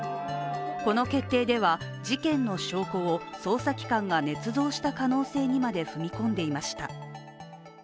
この決定では、事件の証拠を捜査機関がねつ造した可能性にまで踏み込んでいました。